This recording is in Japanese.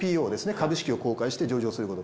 株式を公開して上場すること。